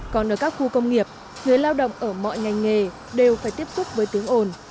còn ở các khu công nghiệp người lao động ở mọi ngành nghề đều phải tiếp xúc với tiếng ồn